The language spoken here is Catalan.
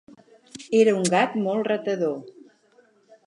Era un gat molt ratador.